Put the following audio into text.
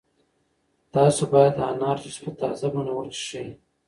تاسو باید د انار جوس په تازه بڼه وڅښئ.